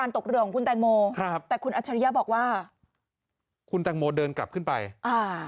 ตกเรือของคุณแตงโมครับแต่คุณอัจฉริยะบอกว่าคุณแตงโมเดินกลับขึ้นไปอ่า